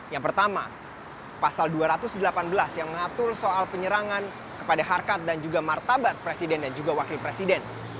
yang pertama pasal dua ratus delapan belas yang mengatur soal penyerangan kepada harkat dan juga martabat presiden dan juga wakil presiden